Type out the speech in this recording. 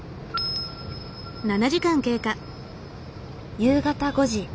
夕方５時。